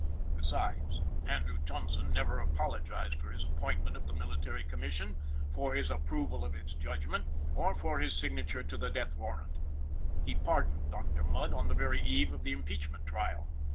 Besides, Andrew Johnson never apologized for his appointment of the Military Commission, for his approval of its judgment, or for his signature to the death warrant. He pardoned Dr. Mudd on the very eve of the Impeachment Trial.